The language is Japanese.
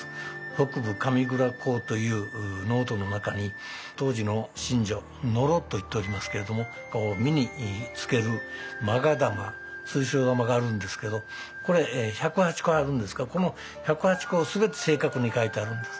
「北部神座考」というノートの中に当時の神女ノロといっておりますけれども身につけるまが玉水晶玉があるんですけどこれ１０８個あるんですがこの１０８個を全て正確に描いてあるんです。